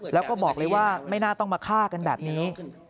แล้วก็บอกเลยว่าไม่น่าต้องมาฆ่ากันแบบนี้